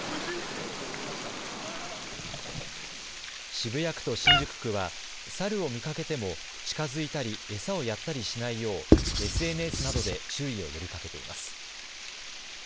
渋谷区と新宿区はサルを見かけても近づいたり餌をやったりしないようＳＮＳなどで注意を呼びかけています。